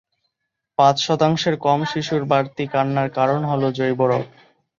পাঁচ শতাংশের কম শিশুর বাড়তি কান্নার কারণ হল জৈব রোগ।